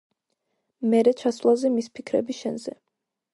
მერე ჩასვლაზე მის ფიქრები შენზე.